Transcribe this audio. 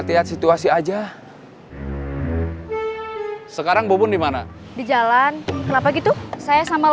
pemimpin yang terlena kekuasaan